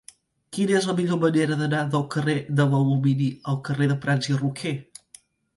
Quina és la millor manera d'anar del carrer de l'Alumini al carrer de Prats i Roquer?